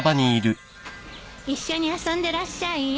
一緒に遊んでらっしゃいよ。